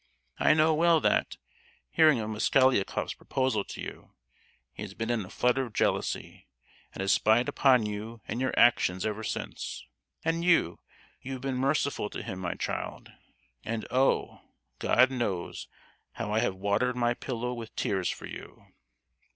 I know well that, hearing of Mosgliakoff's proposal to you, he has been in a flutter of jealousy, and has spied upon you and your actions ever since; and you—you have been merciful to him, my child. And oh! God knows how I have watered my pillow with tears for you!"